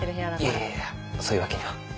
いやいやそういうわけには。